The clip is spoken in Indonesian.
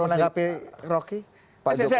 menghadapi rocky pak jokowi